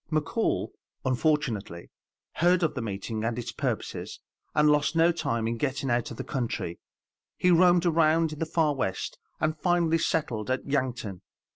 McCall, unfortunately, heard of the meeting and its purposes, and lost no time in getting out of the country. He roamed around in the far West, and finally settled at Yankton.